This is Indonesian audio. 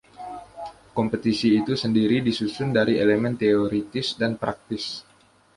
Kompetisi itu sendiri disusun dari elemen teoritis dan praktis.